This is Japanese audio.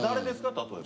例えば。